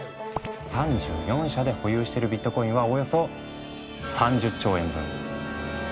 ３４社で保有しているビットコインはおよそ３０兆円分。